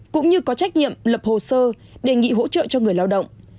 cũng như có trách nhiệm lập hồ sơ đề nghị hỗ trợ cho người lao động